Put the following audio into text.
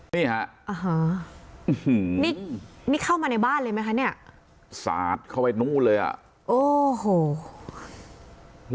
เอ้าเหรอมัวผึ้มนี้เค้ามาในบ้านเลยมั้ยคะนี้สารเข้าไว้โน้นเลยอ่ะโอ้ย